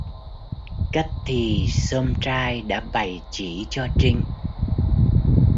Cách thì some trai đã bày chỉ cho Trinh